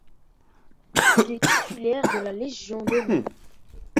Il est titulaire de la Légion d’honneur.